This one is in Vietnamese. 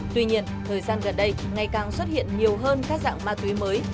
tuy nhiên thời gian gần đây ngày càng xuất hiện nhiều hơn các dạng ma túy mới